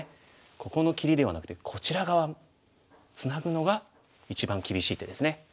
ここの切りではなくてこちら側ツナぐのが一番厳しい手です。